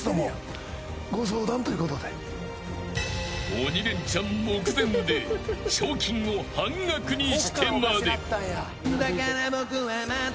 鬼レンチャン目前で賞金を半額にしてまで。